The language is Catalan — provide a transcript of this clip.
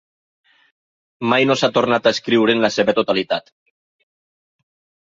Mai no s'ha tornat a escriure en la seva totalitat.